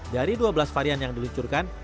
dari dua belas varian yang diluncurkan